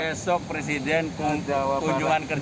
besok presiden ke jawa barat